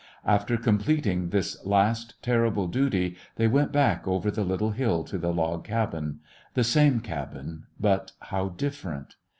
After completing this last terrible duty they went back over the little hill to the log cabin — the same cabin, but how different.